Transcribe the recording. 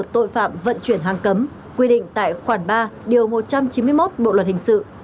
tội phạm vận chuyển hàng cấm quy định tại khoản ba điều một trăm chín mươi một bộ luật hình sự